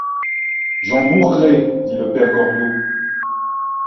J'en mourrai, dit le père Goriot.